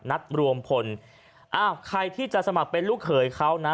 นัดรวมพลอ้าวใครที่จะสมัครเป็นลูกเขยเขานะ